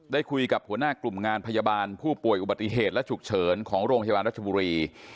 ได้คุยกับหัวหน้ากลุ่มงานพยาบาลผู้ป่วยอุบัติเหตุและฉุกเฉินของโรงพยาบาลรัชบุรี